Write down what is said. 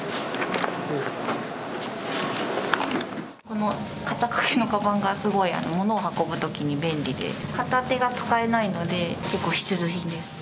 この肩掛けのかばんがすごく物を運ぶときに便利で片手が使えないので結構必需品です。